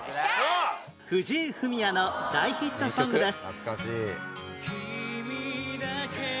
藤井フミヤの大ヒットソングです